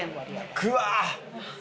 くわ！